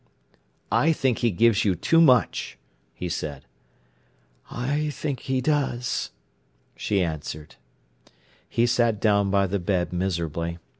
"I think he gives you too much," he said. "I think he does," she answered. He sat down by the bed, miserably.